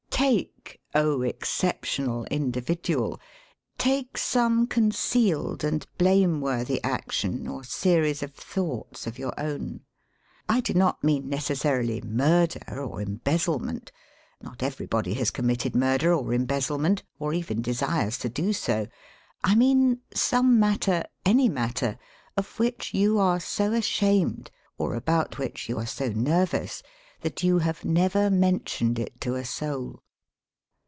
Take — exceptional individual !— take somie concealed and blameworthy action or series of thoughts of your own, I do not mean necessarily murder or embezzlement ; not everybody has com mitted murder or embezzlement, or even desires to do so; I mean some matter — any matter — of which you are so ashamed, or about which you are bo nervous, that you have never mentioned it to a soul.